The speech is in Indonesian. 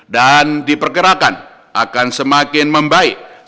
dan dipergerakan akan semakin membaiknya